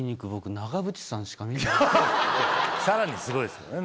さらにすごいですよね